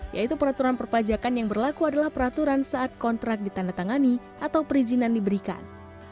yaitu peraturan perpajakan yang berlaku adalah peraturan saat kontrak ditandatangani atau perizinan diberikan